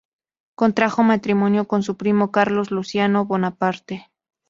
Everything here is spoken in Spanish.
Contrajo matrimonio con su primo Carlos Luciano Bonaparte.